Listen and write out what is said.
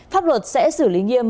pháp luật sẽ xử lý nghiêm